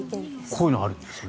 こういうのがあるんですね。